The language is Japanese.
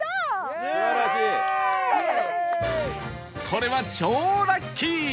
これは超ラッキー！